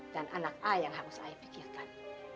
dan anak ayah yang harus ayah pikirkan